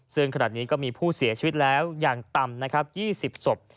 ซึ่งขนาดนี้ก็มีผู้เสียชีวิตแล้วอย่างต่ำ๒๐ศพ